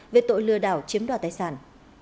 về tội lừa đảo chiếm đoạt tài sản